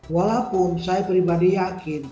walaupun saya pribadi yakin